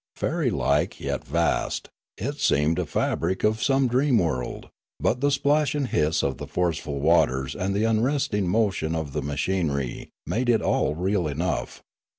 Fairy like yet vast, it seemed a fabric of some dream world; but the splash and hiss of the forceful waters and the unresting motion of the machinery made it all real enough.